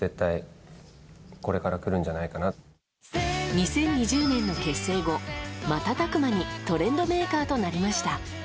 ２０２０年の結成後、瞬く間にトレンドメーカーとなりました。